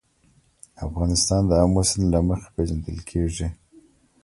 افغانستان د آمو سیند له مخې پېژندل کېږي.